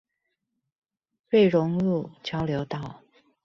瑞隆路交流道